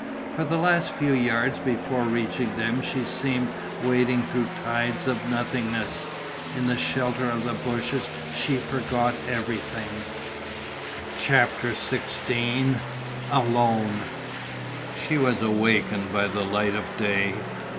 For the last few yards before reaching them she seemed wading through tides of nothingness. In the shelter of the bushes she forgot everything. CHAPTER XVI ALONE She was awakened by the light of day.